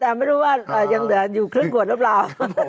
แต่ไม่รู้ว่ายังเหลืออยู่ครึ่งขวดหรือเปล่า